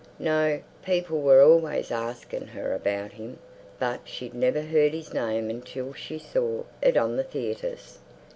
No, people were always arsking her about him. But she'd never heard his name until she saw it on the theatres.